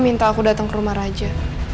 minta aku datang ke rumah raja